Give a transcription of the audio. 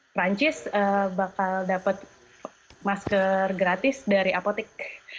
perancis bakal dapat masker gratis dari apotek